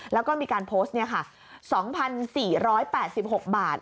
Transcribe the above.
แล้วก็มีการโพสต์๒๔๘๖บาท